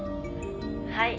「はい。